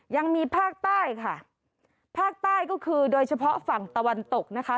ยังมีภาคใต้ค่ะภาคใต้ก็คือโดยเฉพาะฝั่งตะวันตกนะคะ